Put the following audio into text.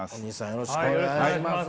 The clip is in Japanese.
よろしくお願いします。